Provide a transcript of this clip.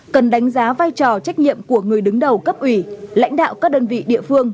cần đánh giá vai trò trách nhiệm của người đứng đầu cấp ủy lãnh đạo các đơn vị địa phương